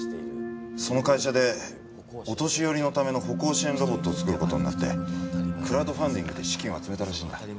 その会社でお年寄りのための歩行支援ロボットを作ることになってクラウドファンディングで資金を集めたらしいんだ。